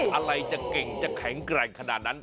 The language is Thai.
อะไรจะเก่งจะแข็งแกร่งขนาดนั้น